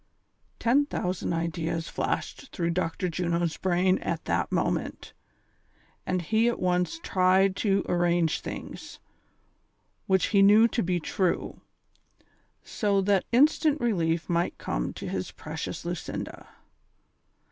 Ten thousand ideas Hashed through Dr. Juno's brain at that moment, and he at once tried to arrange things, which he knew to be true, so that instant relief might come to his precious Lucinda.